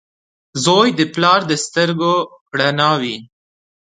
• زوی د پلار د سترګو رڼا وي.